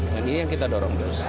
dan ini yang kita dorong terus